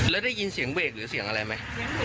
แล้วได้ยินเสียงเบรกหรือเสียงอะไรไหม